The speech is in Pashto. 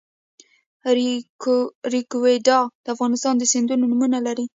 ریګویډا د افغانستان د سیندونو نومونه لري